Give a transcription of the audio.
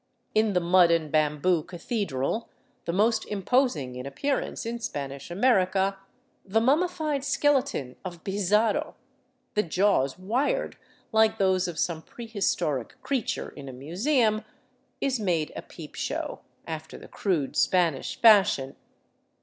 In the mud and bamboo Cathedral, the most imposing in appearance in Spanish America, the mummified skeleton of Pizarro, the jaws wired like those of some prehistoric creature in a museum, is made a peep show, after the crude Spanish fashion.